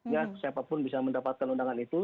ya siapapun bisa mendapatkan undangan itu